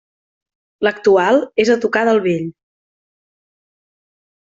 L'actual és a tocar del vell.